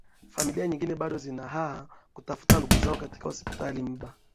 familia nyingine bado zina haha kutafuta ndugu zao katika hospitali mba